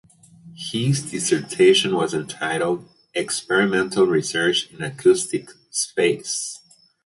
His dissertation was entitled "Experimental Research in Acoustic Space".